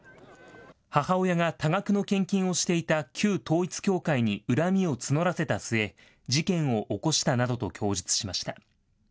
母親が多額の献金をしていた旧統一教会に恨みを募らせた末、事件を起こしたなどと供述しました。